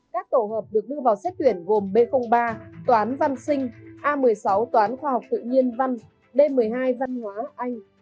các tổ hợp được đưa vào xét tuyển gồm b ba toán văn sinh a một mươi sáu toán khoa học tự nhiên văn b một mươi hai văn hóa anh